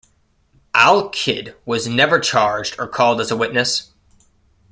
Al-Kidd was never charged or called as a witness.